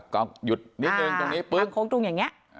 กล้องหยุดนิดนึงตรงนี้หัวโค้งตรงอย่างนี้